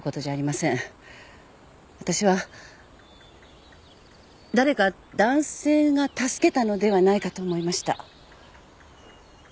私は誰か男性が助けたのではないかと思いました。